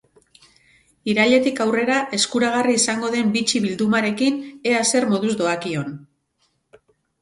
Irailetik aurrera eskuragarri izango den bitxi bildumarekin, ea zer moduz doakion!